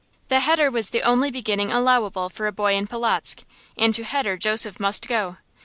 The heder was the only beginning allowable for a boy in Polotzk, and to heder Joseph must go.